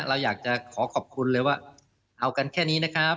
เราอยากจะขอขอบคุณเลยว่าเอากันแค่นี้นะครับ